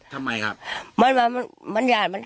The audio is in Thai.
ทำไมครับ